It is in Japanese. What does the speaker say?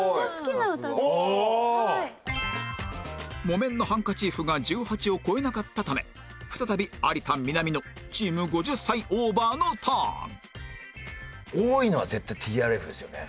『木綿のハンカチーフ』が１８を超えなかったため再び有田・南野チーム５０歳オーバーのターン多いのは絶対 ＴＲＦ ですよね。